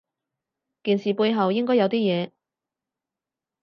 件事背後應該有啲嘢